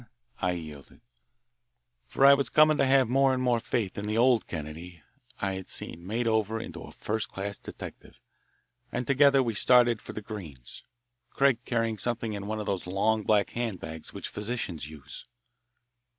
Again I yielded, for I was coming to have more and more faith in the old Kennedy I had seen made over into a first class detective, and together we started for the Greenes', Craig carrying something in one of those long black handbags which physicians use.